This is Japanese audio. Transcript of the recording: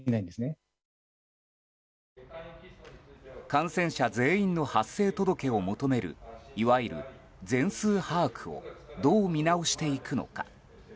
感染者全員の発生届を求めるいわゆる全数把握をどう見直していくのか。